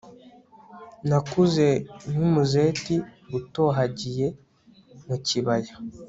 nakuze nk'umuzeti utohagiye mu kibaya,